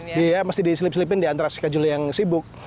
iya iya mesti disilip silipin di antara schedule yang sibuk